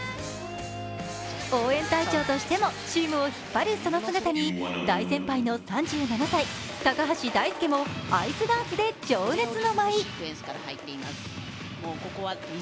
応援隊長としてもチームを引っ張るその姿に大先輩の３７歳、高橋大輔もアイスダンスで情熱の舞。